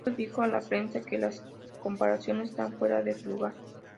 Gerardo dijo a la prensa que las comparaciones están fuera de lugar.